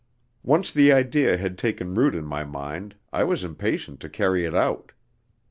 Once the idea had taken root in my mind, I was impatient to carry it out.